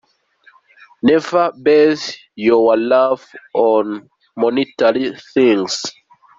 Never base your love on monetary things.